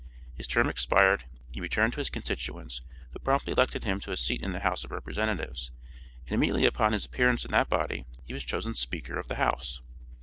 His term expired, he returned to his constituents, who promptly elected him to a seat in the House of Representatives, and immediately upon his appearance in that body he was chosen SPEAKER of the House!